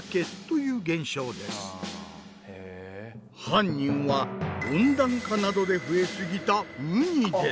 犯人は温暖化などで増えすぎたウニです。